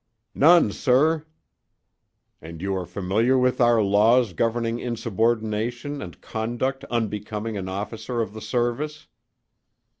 "None, sir!" "And you are familiar with our laws governing insubordination and conduct unbecoming an officer of the service?"